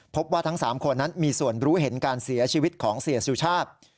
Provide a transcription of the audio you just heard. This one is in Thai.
พบว่าทั้ง๓คนนั้นมีส่วนรู้เห็นการเสียชีวิตของเสียสุชาติ